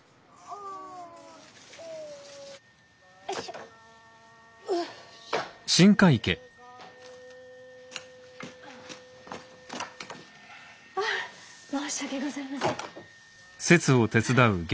ああ申し訳ございません。